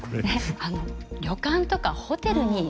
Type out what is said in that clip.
旅館とかホテルに。